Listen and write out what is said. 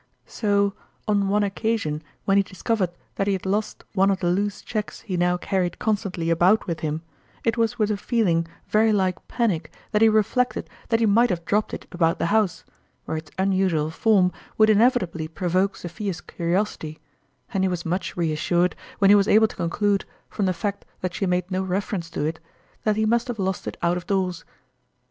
So, on one occasion when he discovered that he had lost one of the loose cheques he How carried constantly about with him, it was with a feeling very like panic that he reflected that he might have dropped it about the house, where its unusual form would inevitably pro JJeriobic JUratmttga. 97 voke Sophia's curiosity ; and he was much re assured when he was able to conclude, from the fact that she made no reference to it, that he must have lost it out of doors.